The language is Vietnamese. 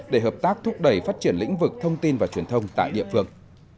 để hợp tác thúc đẩy phát triển lĩnh vực thông tin và truyền thông tại địa phương